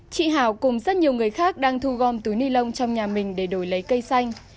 chị hảo cùng rất nhiều người khác đang thu gom túi ni lông trong nhà mình để đổi lấy cây xanh